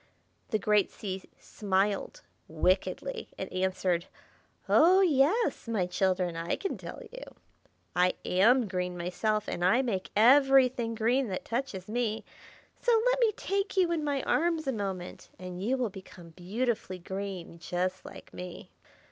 The great Sea smiled, wickedly, and answered, "Oh, yes, my children, I can tell you! I am green myself, and I make everything green that touches me. So let me take you in my arms a moment, and you will become beautifully green, just like me."